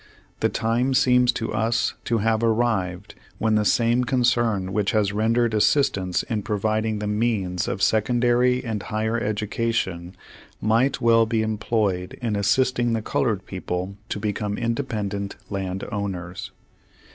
The time seems to us to have arrived when the same concern which has rendered assistance in providing the means of secondary and higher edu cation might well be employed in assisting the colored people to become independent land owners.